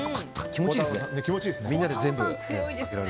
気持ちいいですね。